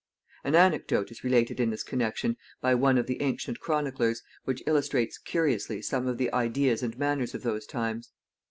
An anecdote is related in this connection by one of the ancient chroniclers, which illustrates curiously some of the ideas and manners of those times.